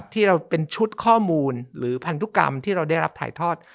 ที่เราเป็นชุดข้อมูลหรือพันธุกรรมที่เราได้รับถ่ายทอด